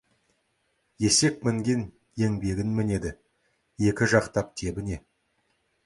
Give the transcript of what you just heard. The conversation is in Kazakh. Есек мінген еңбегін мінеді, екі жақтап тебіне.